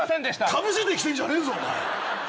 かぶせてきてんじゃねえぞお前。